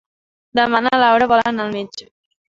Demà na Laura vol anar al metge.